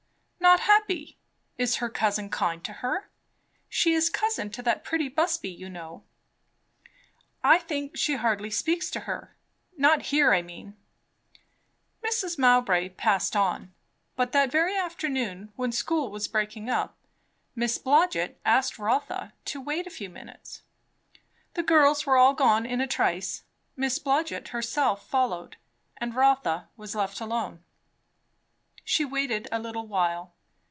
"Not happy! Is her cousin kind to her? She is cousin to that pretty Busby, you know." "I think she hardly speaks to her. Not here, I mean." Mrs. Mowbray passed on. But that very afternoon, when school was breaking up, Miss Blodgett asked Rotha to wait a few minutes. The girls were all gone in a trice; Miss Blodgett herself followed; and Rotha was left alone. She waited a little while.